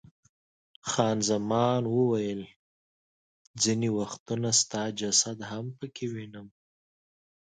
خان زمان وویل، ځیني وختونه ستا جسد هم پکې وینم.